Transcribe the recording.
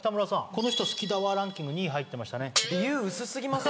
この人好きだわランキング２位入ってましたね。